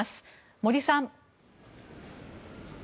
森さん。